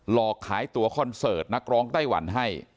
อกขายตัวคอนเสิร์ตนักร้องไต้หวันให้